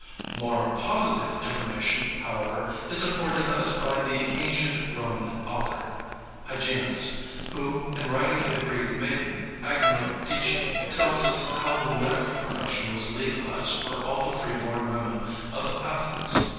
More positive information, however, is afforded us by the ancient Roman author Hyginus, who, in writing of the Greek maiden, Agnodice, tells us how the medical profession was legalized for all the free born women of Athens.